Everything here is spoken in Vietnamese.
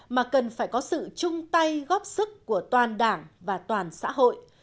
mà cần phải có sự chung tay góp sức của toàn đảng và toàn xã hội